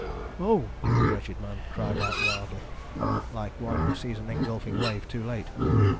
"Oh!" The wretched man cried out wildly, like one who sees an engulfing wave too late.